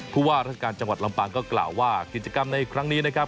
ผู้ว่าราชการจังหวัดลำปางก็กล่าวว่ากิจกรรมในครั้งนี้นะครับ